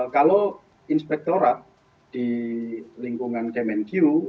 kalau inspektorat di lingkungan kemenq